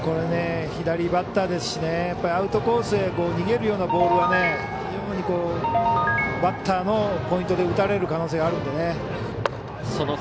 左バッターですしアウトコースへ逃げるようなボールをバッターのポイントで打たれる可能性があるのでね。